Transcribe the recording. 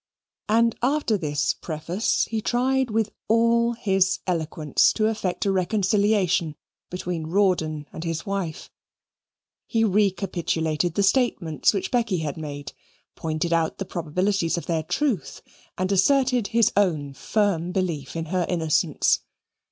And after this preface, he tried with all his eloquence to effect a reconciliation between Rawdon and his wife. He recapitulated the statements which Becky had made, pointed out the probabilities of their truth, and asserted his own firm belief in her innocence.